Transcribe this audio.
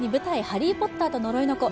「ハリー・ポッターと呪いの子」